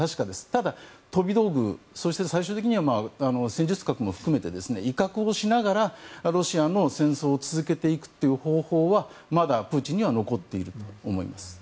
ただ飛び道具、そして最終的には戦術核も含めて威嚇をしながらロシアの戦争を続けていくという方法はまだプーチンには残っていると思います。